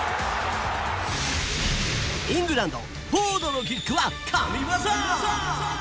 イングランドフォードのキックは神ワザ。